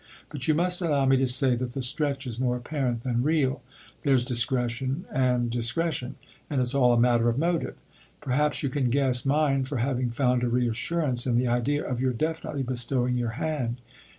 But you must allow me to say that the stretch is more apparent than real. There's discretion and discretion and it's all a matter of motive. Perhaps you can guess mine for having found a reassurance in the idea of your definitely bestowing your hand.